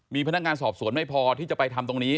มีพนักงานสอบสวนไม่พอที่จะไปทำตรงนี้